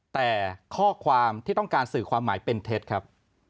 แต่ข้อความที่ต้องการสื่อความหมายเป็นเท็จครับ